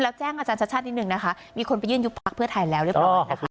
อยากแจ้งอาจารย์ชัดนิดนึงนะคะมีคนไปยื่นยุบพักเพื่อถ่ายแล้วหรือเปล่า